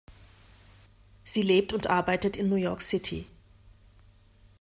Sie lebt und arbeitet in New York City.